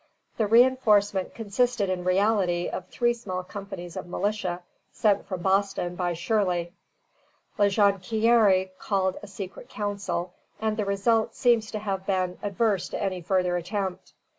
The reinforcement consisted in reality of three small companies of militia sent from Boston by Shirley. La Jonquière called a secret council, and the result seems to have been adverse to any further attempt.